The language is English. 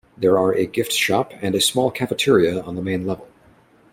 There are a gift shop and a small cafeteria on the main level.